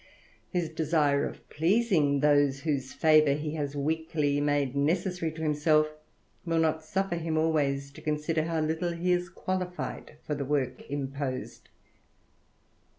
His desire of pleasing those whose favour he has weakly made necessary to himself, will not suffer him always to consider how little he is qualified for the work imposed.